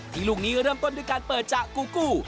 ลูกนี้เริ่มต้นด้วยการเปิดจากกูกู้